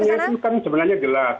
batasannya itu kan sebenarnya gelap